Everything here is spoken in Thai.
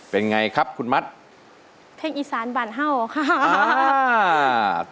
เป็นอย่างไรครับคุณมัธเพลงอิสานบานเห้าค่ะ